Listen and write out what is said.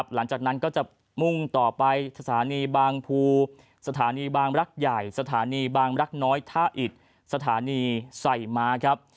หลังจากนั้นก็จะมุ่งต่อไปสถานีบางภูสถานีบางรักใหญ่สถานีบางรักน้อยท่าอิดสถานีใส่ม้าครับ